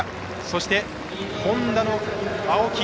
そして、Ｈｏｎｄａの青木。